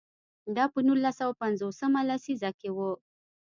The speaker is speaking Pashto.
دا په نولس سوه پنځوس مه لسیزه کې و.